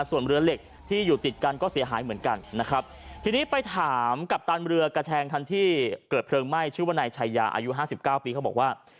ส่วนเรือเหล็กที่อยู่ติดกันก็เสียหายเหมือนกันนะครับทีนี้ไปถามกัปตันเรือกระแชงคันที่เกิดเพลิงไหม้ชื่อว่านายชายาอายุห้าสิบเก้าปีเขาบอกว่า